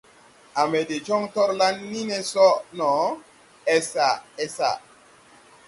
À mbɛ de joŋ torlan ni ne so no, esa esa.